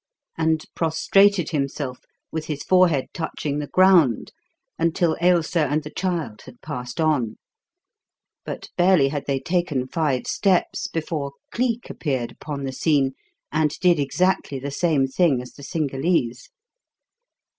and prostrated himself, with his forehead touching the ground, until Ailsa and the child had passed on. But barely had they taken five steps before Cleek appeared upon the scene, and did exactly the same thing as the Cingalese.